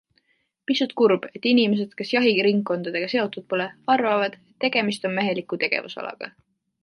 Pisut kurb, et inimesed, kes jahiringkondadega seotud pole, arvavad, et tegemist on meheliku tegevusalaga.